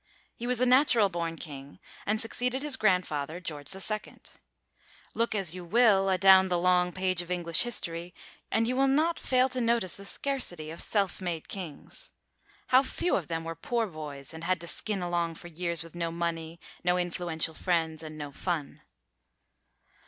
He was a natural born king and succeeded his grandfather, George II. Look as you will a down the long page of English history, and you will not fail to notice the scarcity of self made kings. How few of them were poor boys and had to skin along for years with no money, no influential friends and no fun.